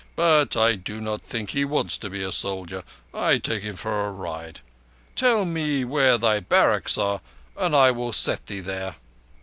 But I do not think he wants to be a soldier. I take him for a ride. Tell me where thy barracks are and I will set thee there."